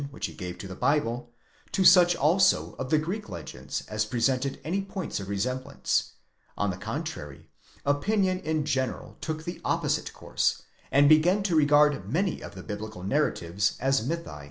which he gave to the Bible, to such also of the Greek legends as presented any' points of resemblance ; on the contrary, opinion in general took the opposite: course, and began to regard many of the biblical narratives as mythi.